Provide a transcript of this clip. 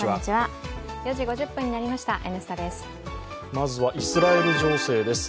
まずはイスラエル情勢です。